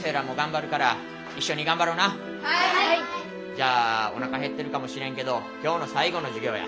じゃあおなか減ってるかもしれんけど今日の最後の授業や。